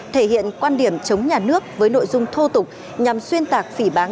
thể hiện quan điểm chống nhà nước với nội dung thô tục nhằm xuyên tạc phỉ báng